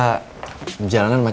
karena jalanan sangat macet